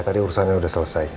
tadi urusannya udah selesai